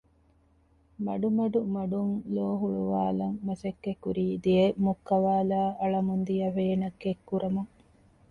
މަޑުމަޑު މަޑުން ލޯ ހުޅުވާލަން މަސައްކަތްކުރީ ދެއަތް މުއްކަވާލައި އަޅަމުންދިޔަ ވޭނަށް ކެތްކުރަމުން